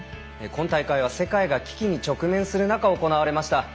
今大会は世界が危機に直面する中、行われました。